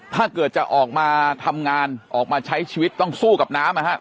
ถ้าเกิดจะออกมาทำงานออกมาใช้ชีวิตต้องสู้กับน้ำนะครับ